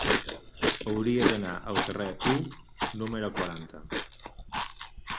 Hauria d'anar al carrer U número quaranta.